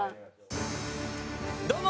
どうも。